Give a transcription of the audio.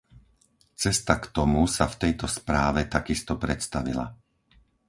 Cesta k tomu sa v tejto správe takisto predstavila.